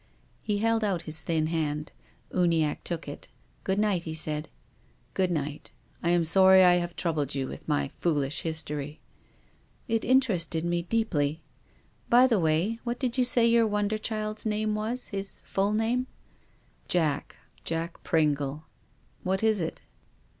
He held out his thin hand. Uniacke took it. " Good night," he said. " Good night. I am sorry I have troubled you with my foolish history.^' "It interested me deeply. By the way — what did you say your wonder child's name was, his full name ?"" Jack— Jack Pringle. What is it